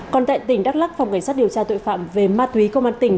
còn tại tỉnh đắk lắc phòng cảnh sát điều tra tội phạm về ma túy công an tỉnh